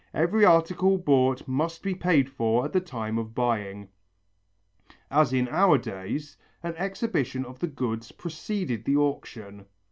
Every article bought must be paid for at the time of buying." As in our days, an exhibition of the goods preceded the auction.